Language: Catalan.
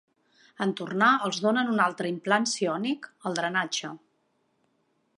En tornar, els donen un altre implant psiònic, el drenatge.